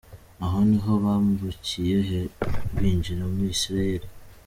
Aho ni ho bambukiye binjira muri Isirayeli.